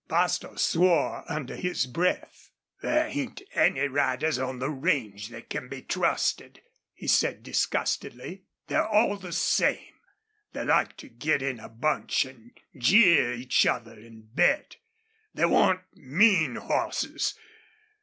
Bostil swore under his breath. "There ain't any riders on the range thet can be trusted," he said, disgustedly. "They're all the same. They like to get in a bunch an' jeer each other an' bet. They want MEAN hosses.